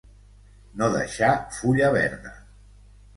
No deixar fulla verda.